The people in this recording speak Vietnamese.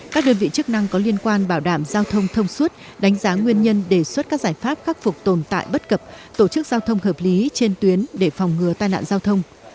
các đơn vị chức năng có liên quan bảo đảm giao thông thông suốt đánh giá nguyên nhân đề xuất các giải pháp khắc phục tồn tại bất cập tổ chức giao thông hợp lý trên tuyến để phòng ngừa tai nạn giao thông